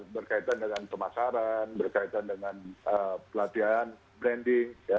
berkaitan dengan pemasaran berkaitan dengan pelatihan branding